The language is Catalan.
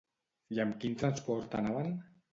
I amb quin transport anaven?